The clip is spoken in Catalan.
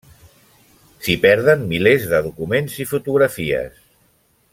S'hi perden milers de documents i fotografies.